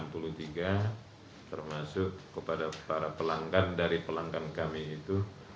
termasuk kepada para pelanggan dari pelanggan kami itu